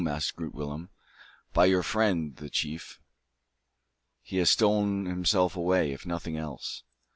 asked Groot Willem. "By your friend, the chief. He has stolen himself away, if nothing else."